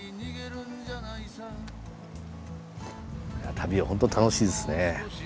旅はホント楽しいですね。